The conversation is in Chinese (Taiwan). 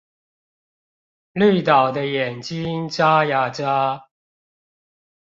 綠島的眼睛眨呀眨